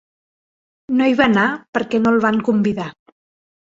No hi va anar perquè no el van convidar.